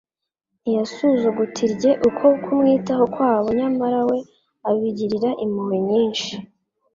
Ntiyasuzugtrye uko kumwitaho kwabo nyamara we abagirira impuhwe nyinshi.